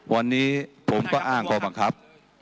วันนี้ผมก็อ้างข้อบังคับ